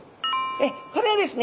これはですね